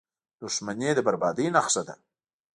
• دښمني د بربادۍ نښه ده.